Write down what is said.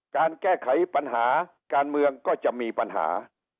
การแก้ไขปัญหาการเมืองก็จะมีปัญหา